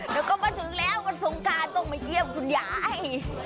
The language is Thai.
เดี๋ยวก็มาถึงแล้ววันสงการต้องมาเยี่ยมคุณยาย